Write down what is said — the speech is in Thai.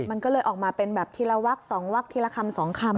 มันก็เลยออกมาเป็นแบบทีละวัก๒วักทีละคำ๒คำ